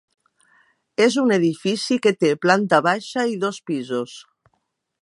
És un edifici que té planta baixa i dos pisos.